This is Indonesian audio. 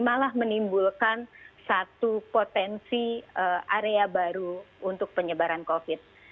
malah menimbulkan satu potensi area baru untuk penyebaran covid